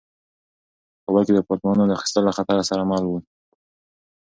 په کابل کې د اپارتمانونو اخیستل له خطر سره مل وو.